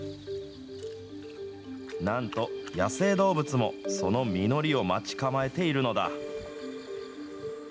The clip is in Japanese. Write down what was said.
なんと野生動物も、その実りを待ち構えているのだ。